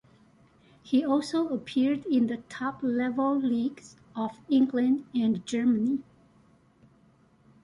He also appeared in the top level leagues of England and Germany.